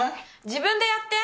自分でやって！